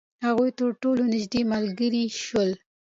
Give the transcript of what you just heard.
هغوی تر ټولو نژدې ملګري شول.